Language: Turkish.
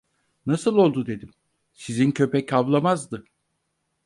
Nasıl oldu dedim, "sizin köpek havlamazdı!"